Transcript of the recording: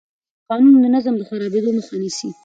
قانون د نظم د خرابېدو مخه نیسي.